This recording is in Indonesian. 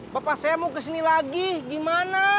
bapak saya mau kesini lagi gimana